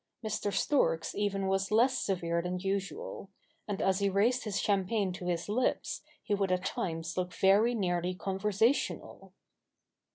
Mr. Storks even was less severe than usual : and as he raised his champagne to his lips, he would at times look very nearly conversational.